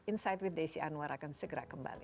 insight with desi anwar akan segera kembali